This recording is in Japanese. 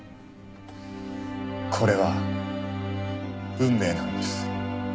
これは運命なんです。